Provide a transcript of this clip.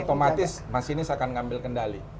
otomatis masinis akan ngambil kendali